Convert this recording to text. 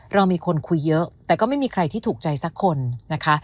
เรามีคนคุยเยอะแต่ก็ไม่มีใครที่ถูกใจสักคนนะคะ